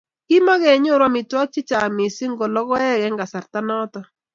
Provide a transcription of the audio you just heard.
kimakinyoru amitwogik che chang' mising ko logoek eng' kasarta noto